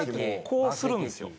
こうするんですよ。